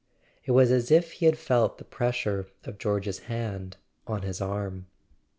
It was as if he had felt the pressure of George's hand on his arm.